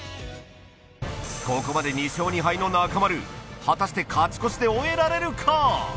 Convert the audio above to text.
ここまで２勝２敗の中丸果たして勝ち越しで終えられるか？